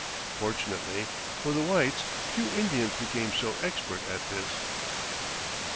Fortunately for the whites few Indians became so expert as this.